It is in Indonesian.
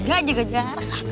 enggak jaga jarak